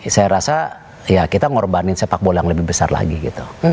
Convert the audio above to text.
saya rasa ya kita ngorbanin sepak bola yang lebih besar lagi gitu